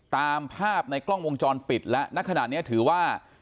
ตามภาพในกล้องวงจรปิดและณขณะนี้ถือว่า